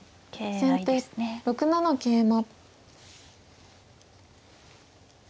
先手６七桂馬。